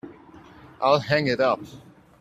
I'll hang it up.